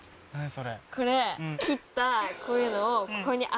それ。